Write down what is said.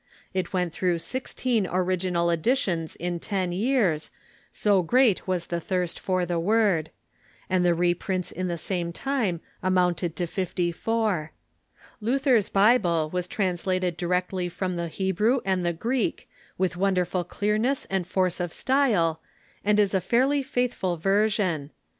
It went through sixteen original editions in ten years, so great was the thirst for the Word ; and the reprints in the same time amounted to fifty four. Luther's Bible was trans lated directly from the Hebrew and the Greek, with wonder ful clearness and force of style, and is a fairly faithful ver sion.